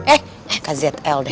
eh eh kak zl deh